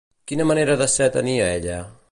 Quina manera de ser tenia ella?